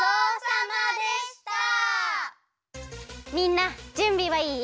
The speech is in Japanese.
みんなじゅんびはいい？